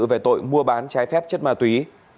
về tội mua bán trái phép chất ma túy